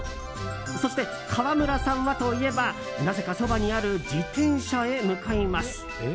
そして川村さんはといえばなぜか、そばにある自転車へ向かいます。